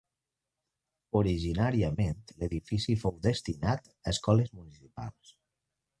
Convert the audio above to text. Originàriament l'edifici fou destinat a escoles municipals.